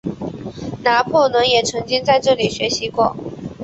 拿破仑也曾经在这里学习过。